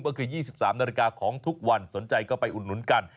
ก็คือ๒๓นาฬิกาของทุกวันสนใจก็ไปอุดหนุนกัน